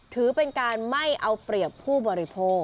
ถือเป็นการไม่เอาเปรียบผู้บริโภค